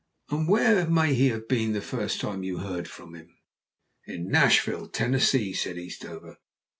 "And where may he have been the first time you heard from him?" "In Nashville, Tennessee," said Eastover.